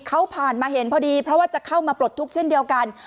เขาผ่านมาเห็นพอดีเพราะว่าจะเข้ามาปลดทุกข์เช่นเดียวกัน